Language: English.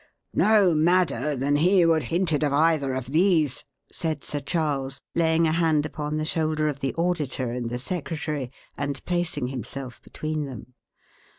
"No madder than he who would hint it of either of these," said Sir Charles, laying a hand upon the shoulder of the auditor and the secretary, and placing himself between them.